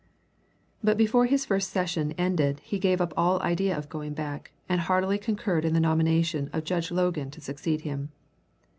But before his first session ended he gave up all idea of going back, and heartily concurred in the nomination of Judge Logan to succeed him.